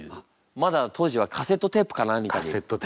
まだ当時はカセットテープか何かに？